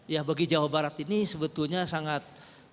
ya bagi jawa barat ini sebetulnya sangat